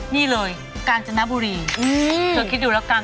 นี่เลยกาญจนบุรีเธอคิดดูแล้วกัน